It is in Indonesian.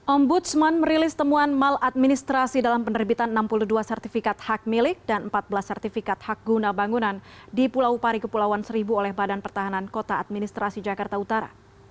ombudsman merilis temuan maladministrasi dalam penerbitan enam puluh dua sertifikat hak milik dan empat belas sertifikat hak guna bangunan di pulau pari kepulauan seribu oleh badan pertahanan kota administrasi jakarta utara